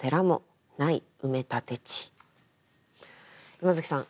山崎さん